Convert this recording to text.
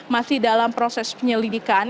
masih dalam proses penyelidikan